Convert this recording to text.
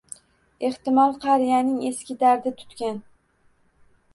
Ehtimol, qariyani eski dardi tutgan.